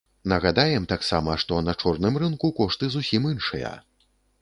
Нагадаем таксама, што на чорным рынку кошты зусім іншыя.